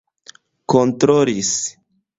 kontrolis